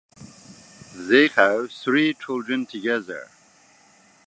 They have three children together.